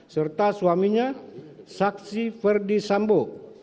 serta suaminya saksi ferdi sambo